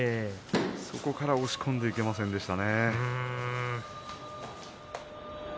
そこから押し込んでいけませんでした。